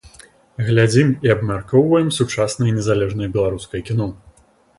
Глядзім і абмяркоўваем сучаснае незалежнае беларускае кіно.